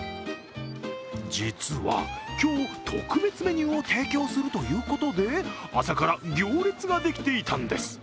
実は今日、特別メニューを提供するということで朝から行列ができていたんです。